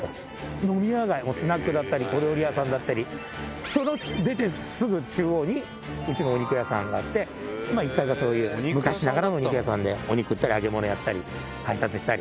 飲み屋街もスナックだったり、小料理屋さんだったり、その出てすぐ中央にうちのお肉屋さんがあって、一帯が昔ながらの肉屋さんで、お肉売ったり、揚げ物やったり、配達したり。